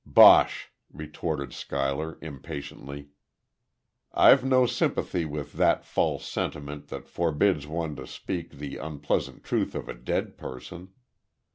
"Bosh," retorted Schuyler, impatiently. "I've no sympathy with that false sentiment that forbids one to speak the unpleasant truth of a dead person.